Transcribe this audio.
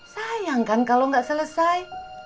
sayang kan kalau nggak selesai